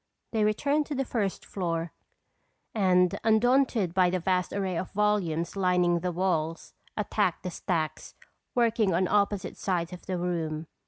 They returned to the first floor and undaunted by the vast array of volumes lining the walls, attacked the stacks, working on opposite sides of the room.